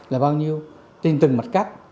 là bao nhiêu tên từng mặt cắt